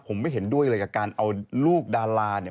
ผมไม่เห็นด้วยเลยกับการเอาลูกดาราเนี่ย